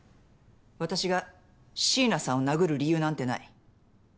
私が椎名さんを殴る理由なんてない。